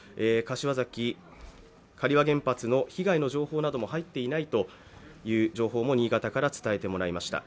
柏崎刈羽原発の被害の情報も入っていないという情報を新潟から伝えてもらいました。